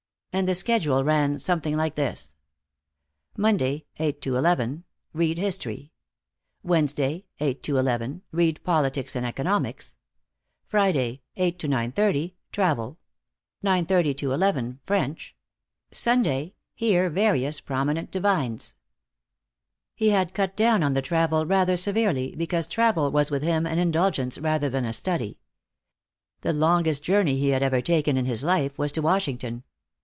And the schedule ran something like this: Monday: 8 11. Read History. Wednesday: 8 11. Read Politics and Economics. Friday: 8 9:30. Travel. 9:30 11. French. Sunday: Hear various prominent divines. He had cut down on the travel rather severely, because travel was with him an indulgence rather than a study. The longest journey he had ever taken in his life was to Washington.